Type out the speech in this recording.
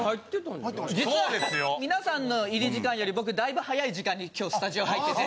実は皆さんの入り時間より僕だいぶ早い時間に今日スタジオ入ってて。